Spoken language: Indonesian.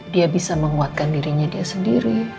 dia bisa menguatkan dirinya dia sendiri